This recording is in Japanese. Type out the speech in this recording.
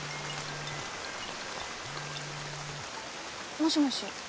もしもし。